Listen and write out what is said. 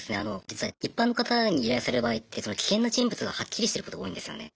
実は一般の方に依頼される場合って危険な人物がはっきりしてることが多いんですよね。